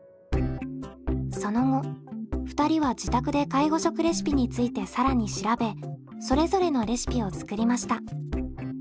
その後２人は自宅で介護食レシピについて更に調べそれぞれのレシピを作りました。